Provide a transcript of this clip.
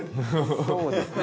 ◆そうですね。